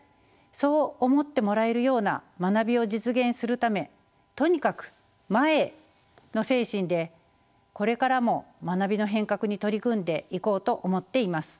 そう思ってもらえるような学びを実現するためとにかく前への精神でこれからも学びの変革に取り組んでいこうと思っています。